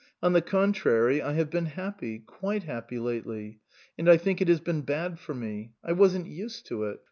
On the contrary I have been happy, quite happy lately. And I think it has been bad for me. I wasn't used to it.